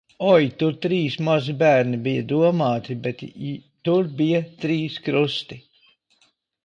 Oi, tur trīs mazi bērni bija domāti, bet tur bija trīs krusti.